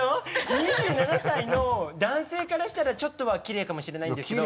２７歳の男性からしたらちょっとはきれいかもしれないんですけど。